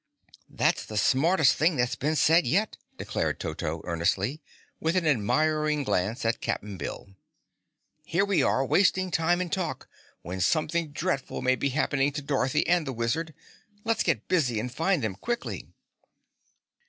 "That's the smartest thing that's been said yet," declared Toto earnestly, with an admiring glance at Cap'n Bill. "Here we are, wasting time in talk, when something dreadful may be happening to Dorothy and the Wizard. Let's get busy and find them quickly."